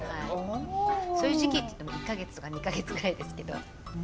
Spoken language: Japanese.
そういう時期ってでも１か月とか２か月ぐらいですけど。